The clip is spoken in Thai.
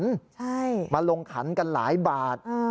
ใช่มาลงขันกันหลายบาท